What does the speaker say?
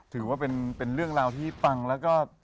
ถือว่าเป็นเรื่องราวที่ฟังแล้วก็